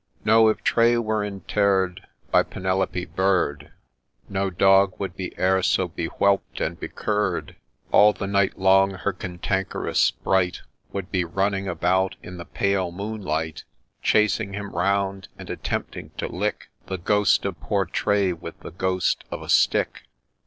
No, — if Tray were interr'd By Penelope Bird, No dog would be e'er so be ' whelp ' 'd and be ' cur ' 'r'd — All the night long her cantankerous Sprite Would be running about in the pale moon light, Chasing him round, and attempting to lick The ghost of poor Tray with the ghost of a stick.